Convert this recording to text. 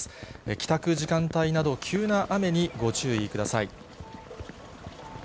帰宅時間帯など、急な雨にご注意ください。